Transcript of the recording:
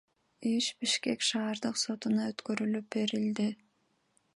Иш Бишкек шаардык сотуна өткөрүлүп берилди.